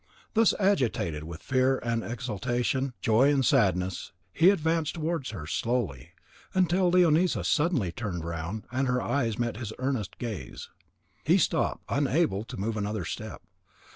Thus agitated with fear and exultation, joy and sadness, he advanced towards her slowly, until Leonisa suddenly turned round and her eyes met his earnest gaze. He stopped, unable to move another step.